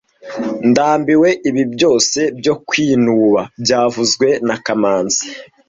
Ndambiwe ibi byose byo kwinuba byavuzwe na kamanzi